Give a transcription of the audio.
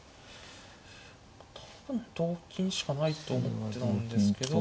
多分同金しかないと思ってたんですけど。